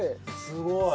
すごい！